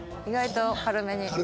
意外と軽めに。